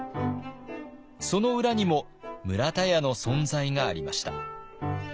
その裏にも村田屋の存在がありました。